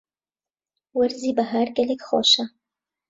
وەرزی بەهار گەلێک خۆشە.